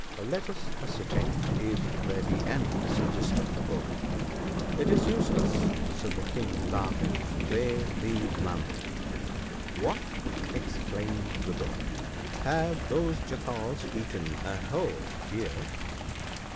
' Let us ascertain if there be any,' suggested the Bull. ' It is useless,' said the King, laughing, —* they leave none.' * What !' exclaimed the Bull, ' have those Jackals eaten a whole deer